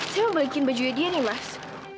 saya mau bikin bajunya dia nih mas